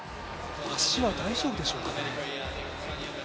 足は大丈夫でしょうかね。